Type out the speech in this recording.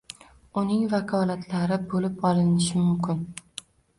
Uning vakolatlari bo‘lib olinishi mumkin